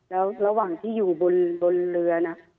แล้วระหว่างที่อยู่บนเรือนะ